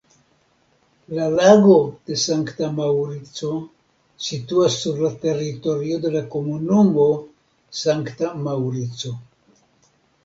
La Lago de Sankta Maŭrico situas sur la teritorio de la komunumo Sankta Maŭrico.